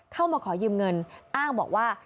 เข้ามาขอยืมเงินอ้างบอกว่า